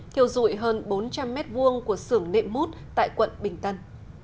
thiêu dụi hơn bốn trăm linh mét vuông của xưởng nệm mút tại quận bình tân